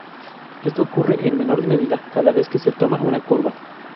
Esto ocurre en menor medida cada vez que se toma una curva.